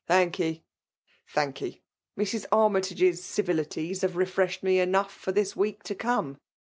''Thankee, thankee! Mrs. Armytage's civilities have refreshed me enough Jbr this week to come.